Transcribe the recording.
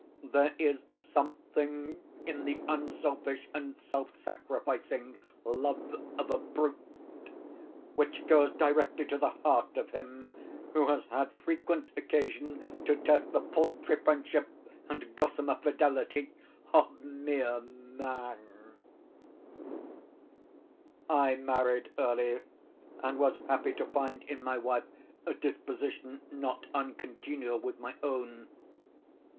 There is something in the unselfish and self sacrificing love of a brute, which goes directly to the heart of him who has had frequent occasion to test the paltry friendship and gossamer fidelity of mere Man. I married early, and was happy to find in my wife a disposition not uncongenial with my own.